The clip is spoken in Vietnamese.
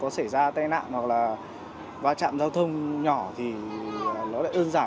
có xảy ra tai nạn hoặc là vào trạm giao thông nhỏ thì nó lại ơn giảm